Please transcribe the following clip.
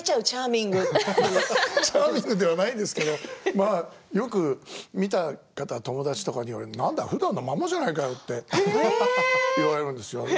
チャーミングではないんですけどよく見た方、友達とかになんだ、ふだんのままじゃないかって言われるんですよ。